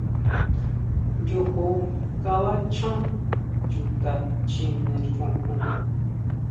Yojo kabachan chuta chjine xojon.